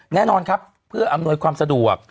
แน่นอนครับเพื่ออำนวยความสะดวก